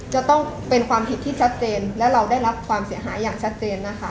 จะต้องเป็นความผิดที่ชัดเจนและเราได้รับความเสียหายอย่างชัดเจนนะคะ